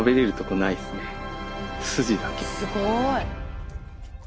すごい。